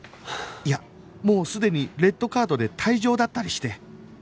いやもうすでにレッドカードで退場だったりして